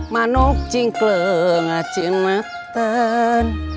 manuk cingkleng acin meten